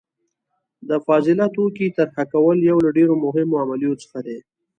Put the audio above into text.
د فاضله توکي طرحه کول یو له ډیرو مهمو عملیو څخه دي.